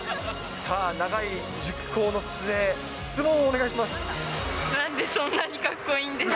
さあ、長い熟考の末、質問をお願いします。